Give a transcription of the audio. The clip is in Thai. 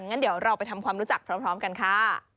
งั้นเดี๋ยวเราไปทำความรู้จักพร้อมกันค่ะ